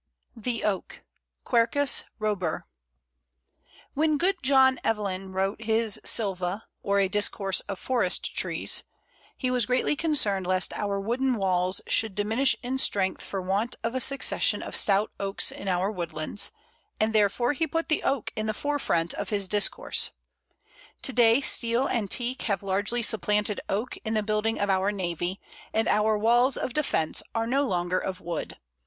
The Oak (Quercus robur). When good John Evelyn wrote his "Sylva, or a Discourse of Forest Trees," he was greatly concerned lest our "wooden walls" should diminish in strength for want of a succession of stout Oaks in our woodlands, and therefore he put the Oak in the forefront of his discourse. To day steel and teak have largely supplanted oak in the building of our navy, and our walls of defence are no longer of wood.